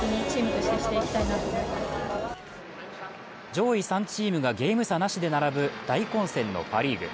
上位３チームがゲーム差なしで並ぶ大混戦のパ・リーグ。